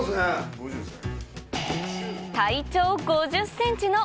５０ですね。